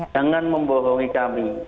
jangan membohongi kami